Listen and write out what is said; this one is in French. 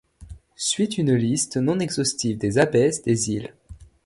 Suit une liste non exhaustive des abbesses des Isles.